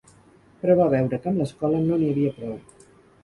Però va veure que amb l'escola no n'hi havia prou.